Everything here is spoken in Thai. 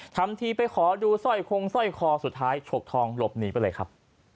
ทำทีไปขอดูสร้อยคงสร้อยคอสุดท้ายฉกทองหลบหนีไปเลยครับ